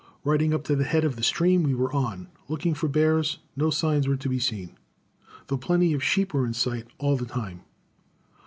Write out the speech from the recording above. Riding up to the head of the stream we were on, looking for bears, no signs were to be seen, though plenty of sheep were in sight all the time.